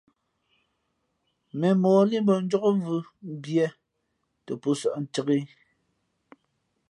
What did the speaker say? Mēmmᾱ o líʼ mbᾱ njǒkvʉ̄ mbiē tα pō sᾱʼ ncāk ǐ.